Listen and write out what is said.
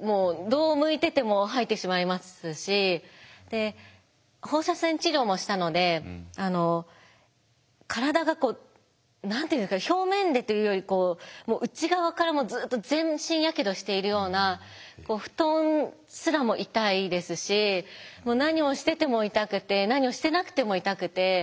もうどう向いてても吐いてしまいますしで放射線治療もしたので体がこう何て言うんですか表面でというより内側からずっと全身やけどしているような布団すらも痛いですし何をしてても痛くて何をしてなくても痛くて。